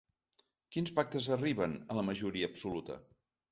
Quins pactes arriben a la majoria absoluta?